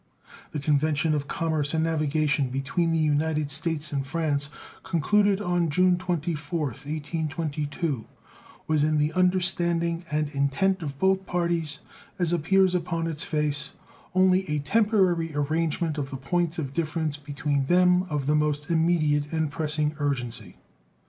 The convention of commerce and navigation between the United States and France, concluded on June 24th, 1822, was, in the understanding and intent of both parties, as appears upon its face, only a temporary arrangement of the points of difference between them of the most immediate and pressing urgency.